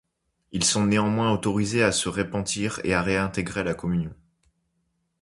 Ils sont néanmoins autorisés à se repentir et à réintégrer la communion.